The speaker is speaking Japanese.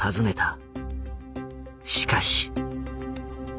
しかし。